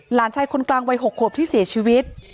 หลานชายคนกลางวัย๖ขวบที่เสียชีวิต